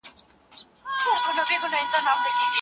صنعتي کاروبار څنګه د اقتصاد د ودي سره مرسته کوي؟